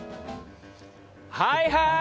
はいはい！